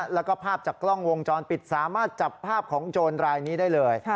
แล้วก็ภาพจากกล้องวงจรปิดสามารถจับภาพของโจรรายนี้ได้เลย